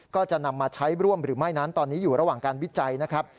ก็จะนำมาใช้ร่วมหรือไม่นั้นตอนนี้อยู่ระหว่างการวิจัยนะครับ